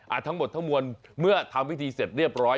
ทั้งหมดทั้งมวลเมื่อทำพิธีเสร็จเรียบร้อย